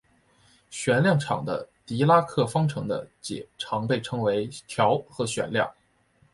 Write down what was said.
旋量场的狄拉克方程的解常被称为调和旋量。